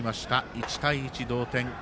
１対１同点。